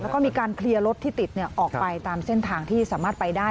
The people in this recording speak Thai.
แล้วก็มีการเคลียร์รถที่ติดออกไปตามเส้นทางที่สามารถไปได้